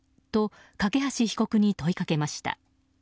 と梯被告に問いかけました。